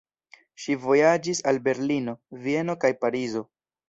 Ŝi vojaĝis al Berlino, Vieno kaj Parizo.